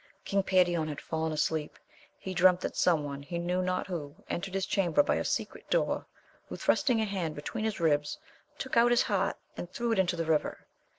King Perion had fallen asleep, he dreamt that some one, he knew not who, en tered his chamber by a secret door, who thrusting a hand between his ribs, took out his heart and threw it into the river.